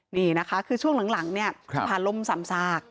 นี่นะคะคือช่วงหลังเนี่ยสะพานล่มซ้ำซาก